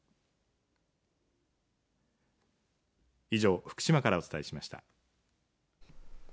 以上福島からお伝えしました。